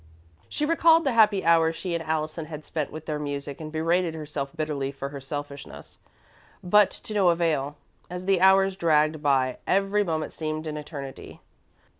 She recalled the happy hours she and Allison had spent with their music and berated herself bitterly for her selfishness, but to no avail. As the hours dragged by, every moment seemed an eternity.